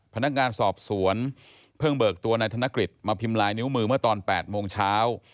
พนักงานสอบสวนเพิ่งเบิกตัวนายธนกฤษมาพิมพ์ลายนิ้วมือเมื่อตอน๘โมงเช้า